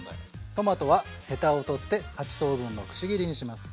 トマトはへたを取って８等分のくし切りにします。